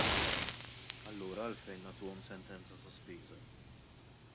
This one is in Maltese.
Allura għalfejn nagħtuhom sentenza sospiża?